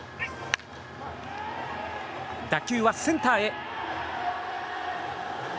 打球はセンターへ。